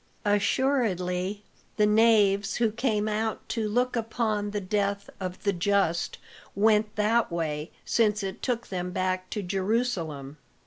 "Assuredly the knaves who came out to look upon the death of the just went that way, since it took them back to Jerusalem.